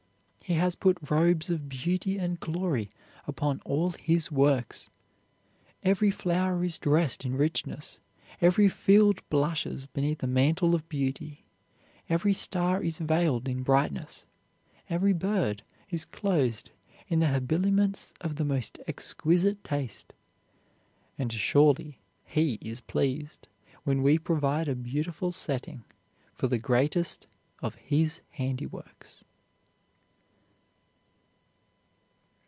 He has put robes of beauty and glory upon all His works. Every flower is dressed in richness; every field blushes beneath a mantle of beauty; every star is veiled in brightness; every bird is clothed in the habiliments of the most exquisite taste. And surely He is pleased when we provide a beautiful setting for the greatest of His handiworks.